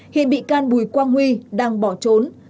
hiện bị can bùi quang huy đang bỏ trốn